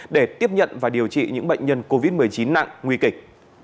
để tiếp nhận và điều trị những bệnh nhân covid một mươi chín nặng nguy kịch